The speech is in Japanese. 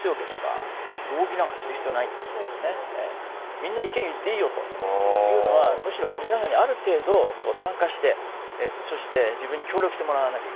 みんな意見言っていいよというのはむしろ皆さんにある程度参加してそして自分に協力してもらわなきゃいけないっていうね。